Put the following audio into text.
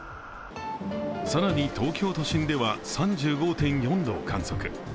更に東京都心では、３５．４度を観測。